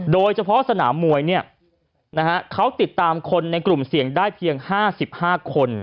โดยเฉพาะสนามมวยเขาติดตามคนในกลุ่มเสี่ยงได้เพียง๕๕คน